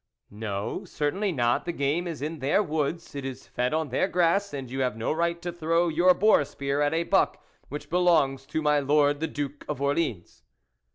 " No, certainly not ; the game is in their woods, it is fed on their grass, and you have no right to throw your boar spear at a buck which belongs to my lord the Duke of Orleans."